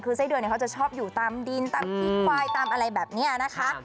คือไส้เดือนเขาจะชอบอยู่ตามดินตามขี้ควายตามอะไรแบบนี้นะคะ